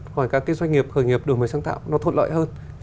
hỏi các cái doanh nghiệp khởi nghiệp đổi mới sáng tạo nó thuận lợi hơn